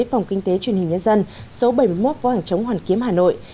phòng kinh tế truyền hình nhân dân số bảy mươi một phó hàng chống hoàn kiếm hà nội